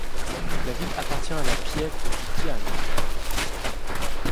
La ville appartient à la piève de Viggiano.